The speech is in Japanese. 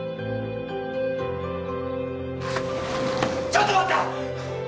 ちょっと待った！